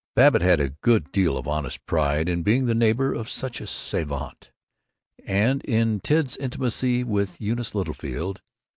Babbitt had a good deal of honest pride in being the neighbor of such a savant, and in Ted's intimacy with Eunice Littlefield.